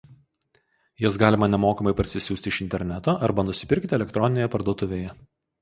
Jas galima nemokamai parsisiųsti iš interneto arba nusipirkti elektroninėje parduotuvėje.